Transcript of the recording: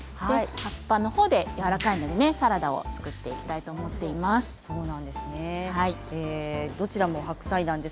葉っぱのほうで、やわらかいのでサラダを作っていきたいと思っています。